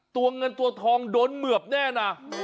ตัวเงินตัวทองโดนเหมือบแน่นะ